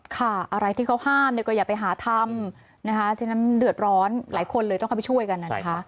ค่ะอะไรที่เขาห้ามก็อย่าไปหาทำด้วยนั้นมันเดือดร้อนหลายคนเลยต้องเข้าไปช่วยกัน